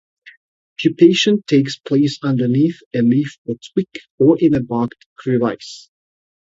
Pupation takes place underneath a leaf or twig, or in a bark crevice.